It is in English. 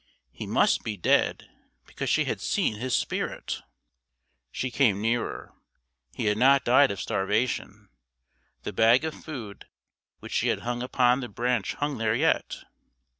He must be dead because she had seen his spirit! She came nearer. He had not died of starvation; the bag of food which she had hung upon the branch hung there yet.